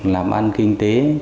làm ăn kinh tế